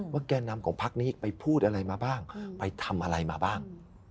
แก่นำของพักนี้ไปพูดอะไรมาบ้างไปทำอะไรมาบ้าง